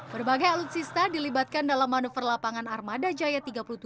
berbagai alutsista dilibatkan dalam manuver lapangan armada jaya tiga puluh tujuh